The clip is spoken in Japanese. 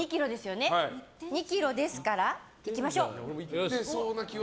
２ｋｇですから、いきましょう。